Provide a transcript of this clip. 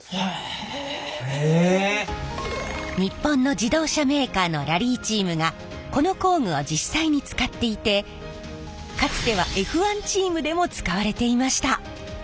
日本の自動車メーカーのラリーチームがこの工具を実際に使っていてかつてはＦ１チームでも使われていました。